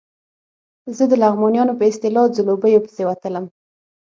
زه د لغمانیانو په اصطلاح ځلوبیو پسې وتلم.